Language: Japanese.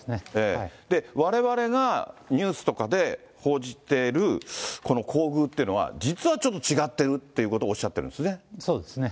われわれが、ニュースとかで報じているこの厚遇というのは、実はちょっと違ってるっていうこそうですね。